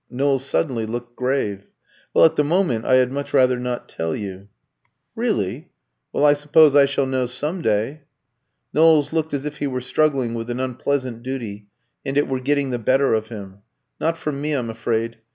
Knowles suddenly looked grave. "Well, at the moment, I had much rather not tell you." "Really? Well, I suppose I shall know some day." Knowles looked as if he were struggling with an unpleasant duty, and it were getting the better of him. "Not from me, I'm afraid.